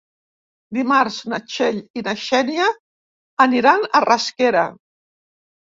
Dimarts na Txell i na Xènia aniran a Rasquera.